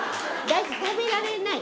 第一、食べられない。